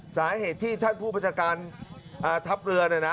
สาเหตุที่ท่านผู้พระชการทัพเรือ